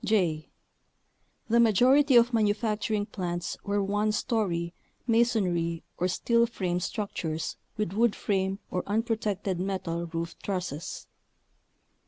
j. The majority of manufacturing plants were one story, masonry, or steel frame struc tures with wood frame or unprotected metal roof trusses.